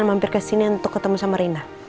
nanti aku bisa datang ke sini untuk ketemu sama reina